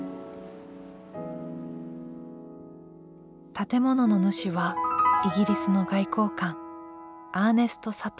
建物の主はイギリスの外交官アーネスト・サトウ。